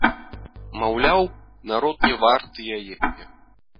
Маўляў, народ не варты яе.